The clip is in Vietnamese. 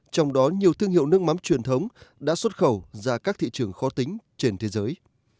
trong đó nhiều thương hiệu nước mắm truyền thống đã xuất khẩu ra các thị trường khó tính trên thế giới